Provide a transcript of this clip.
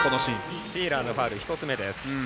フィーラーのファウル１つ目です。